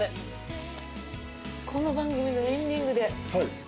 この番組のエンディングで。